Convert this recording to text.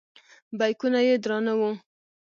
بیکونه یې درانه وو.